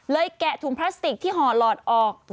แกะถุงพลาสติกที่ห่อหลอดออก